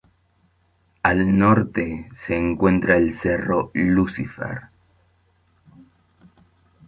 Al norte se encuentra el cerro Lucifer.